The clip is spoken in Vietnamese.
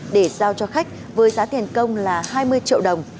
để giao cho khách với giá tiền công là hai mươi triệu đồng